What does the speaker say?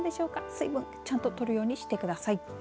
水分ちゃんと取るようにしてください。